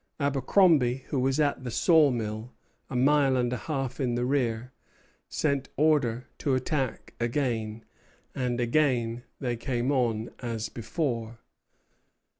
Abercromby, who was at the saw mill, a mile and a half in the rear, sent order to attack again, and again they came on as before.